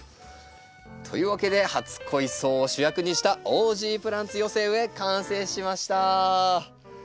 というわけで初恋草を主役にしたオージープランツ寄せ植え完成しました。